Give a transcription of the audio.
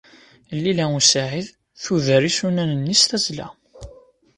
Lila u Saɛid tuder isunan-nni s tazzla.